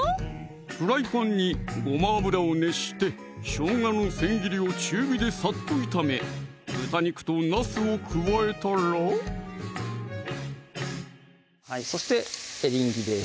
フライパンにごま油を熱してしょうがのせん切りを中火でサッと炒め豚肉となすを加えたらそしてエリンギです